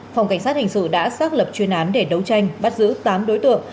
phòng cảnh sát hình sự đã xác lập chuyên án để đấu tranh bắt giữ tám đối tượng